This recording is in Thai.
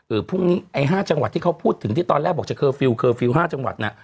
เอ่อพรุ่งนี้ไอ้ห้าจังหวัดที่เขาพูดถึงที่ตอนแรกบอกจะห้าจังหวัดน่ะ